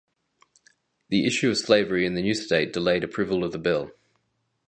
The issue of slavery in the new state delayed approval of the bill.